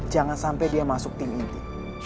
jangan sampai dia masuk tim inti